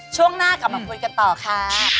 ช่วงหน้ากลับมาคุยกันต่อค่ะ